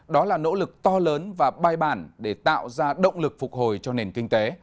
đó là nỗ lực to lớn và bài bản để tạo ra động lực phục hồi cho nền kinh tế